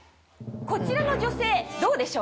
こちらの女性どうでしょうか？